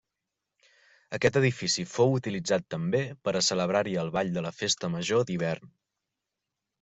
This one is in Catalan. Aquest edifici fou utilitzat també per a celebrar-hi el ball de la festa major d'hivern.